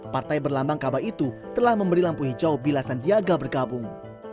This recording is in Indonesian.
partai berlambang kabah itu telah memberi lampu hijau bila sandiaga bergabung